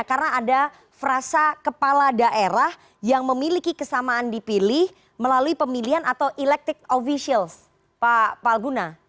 karena ada frasa kepala daerah yang memiliki kesamaan dipilih melalui pemilihan atau elected officials pak palguna